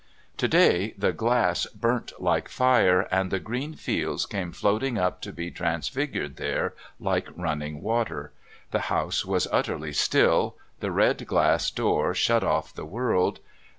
To day the glass burnt like fire, and the green fields came floating up to be transfigured there like running water. The house was utterly still; the red glass door shut off the world.